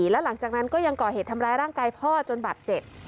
แล้วหลังจากนั้นก็ยังก่อเหตุทำร้ายร่างกายพ่อจนบาดเจ็บ